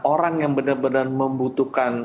orang yang benar benar membutuhkan